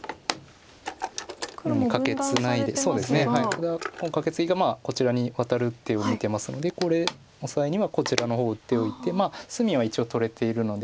これはこのカケツギがこちらにワタる手を見てますのでこれオサエにはこちらの方打っておいて隅は一応取れているので。